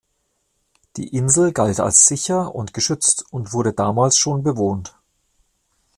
Die Insel galt als sicher und geschützt und wurde damals schon bewohnt.